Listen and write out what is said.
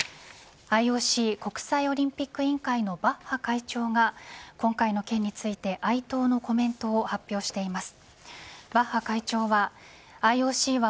ＩＯＣ国際オリンピック委員会のバッハ会長が今回の件について哀悼のコメントを発表しています。